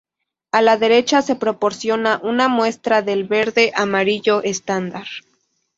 A la derecha se proporciona una muestra del verde amarillo estándar.